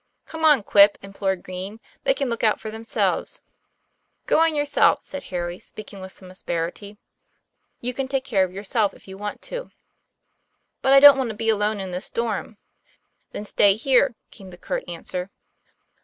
;' Come on, Quip," implored Green, "they can look out for themselves," TOM PLA YFAIR. 105 "Go on yourself," said Harry, speaking with some asperity. ' You can take care of yourself, if you want to." 'But I don't want to be alone in this storm." 'Then stay here," came the curt answer.